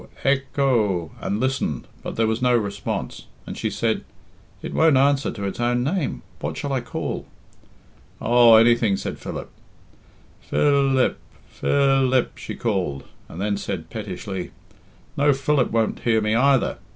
Ec ho!" and listened, but there was no response, and she said, "It won't answer to its own name. What shall I call?" "Oh, anything," said Philip. "Phil ip! Phil ip!" she called, and then said pettishly, "No, Philip won't hear me either."